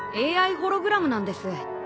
ＡＩホログラムなんです